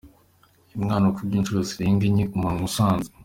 Uyu munwa ukubye inshuro zirenga enye umunwa usanze.